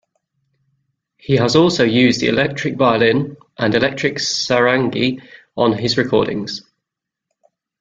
He has also used the electric violin and electric sarangi on his recordings.